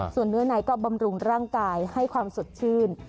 ส่วนเนื้อในก็บำรุงร่างกายให้ความสดชื่น